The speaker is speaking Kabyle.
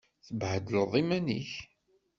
Tebbhedleḍ iman-ik.